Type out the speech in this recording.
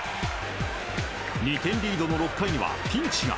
２点リードの６回にはピンチが。